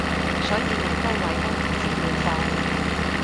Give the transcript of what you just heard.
所以咪高位都唔知要放